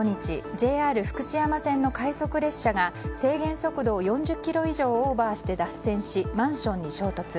ＪＲ福知山線の快速列車が制限速度を４０キロ以上オーバーして脱線しマンションに衝突。